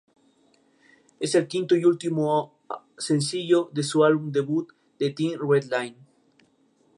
La máquina de Turing puede considerarse como un autómata capaz de reconocer lenguajes formales.